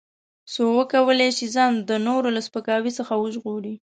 څو وکولای شي ځان د نورو له سپکاوي څخه وژغوري.